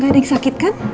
gak ada yang sakit kan